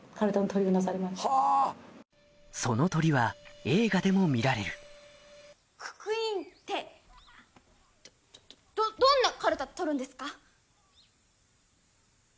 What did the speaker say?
その取りは映画でも見られるククイーンってどどんなかるた取るんですか？